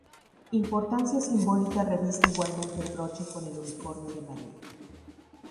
Importancia simbólica reviste igualmente el broche con el unicornio de María.